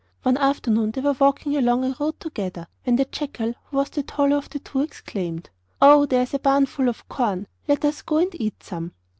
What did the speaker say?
One afternoon they were walking along a road together, when the jackal, who was the taller of the two, exclaimed: 'Oh! there is a barn full of corn; let us go and eat some.